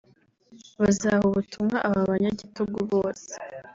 Bazaha ubutumwa aba banyagitugu bose